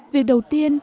việc đầu tiên